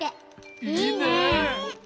いいね！